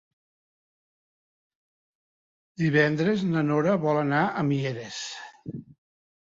Divendres na Nora vol anar a Mieres.